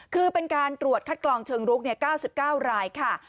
คือเป็นการตรวจคัดกรองเชิงรุก๙๙รายค่ะ